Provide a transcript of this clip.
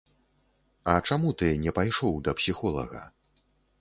А чаму ты не пайшоў да псіхолага?